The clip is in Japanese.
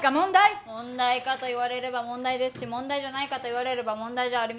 問題かと言われれば問題ですし問題じゃないかと言われれば問題じゃありません。